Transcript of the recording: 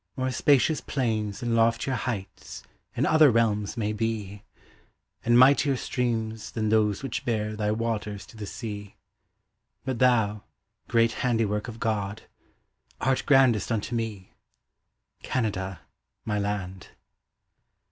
More spacious plains and loftier heights In other realms may be, And mightier streams than those which bear Thy waters to the sea; But thou, great handiwork of God, Art grandest unto me, Canada, my land.